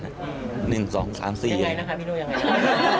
ยังไงนะคะพี่โน่ยังไงคะ